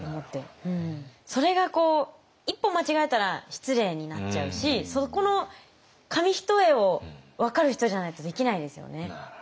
それが一歩間違えたら失礼になっちゃうしそこの紙一重を分かる人じゃないとできないですよね。